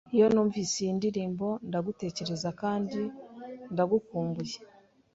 Iyo numvise iyi ndirimbo, ndagutekereza, kandi ndagukumbuye.